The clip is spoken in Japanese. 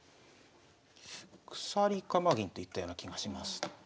鎖鎌銀といったような気がします。